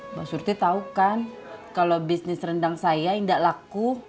mbak surti tau kan kalau bisnis rendang saya enggak laku